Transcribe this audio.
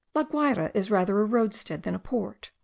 La Guayra is rather a roadstead than a port.